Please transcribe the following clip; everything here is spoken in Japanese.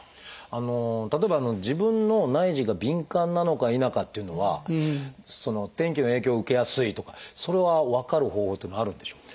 例えば自分の内耳が敏感なのか否かというのは天気の影響を受けやすいとかそれは分かる方法というのはあるんでしょうか？